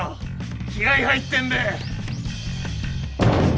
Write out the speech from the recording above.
気合入ってんべ。